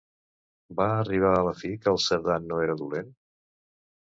Va arribar a la fi que el Cerdà no era dolent?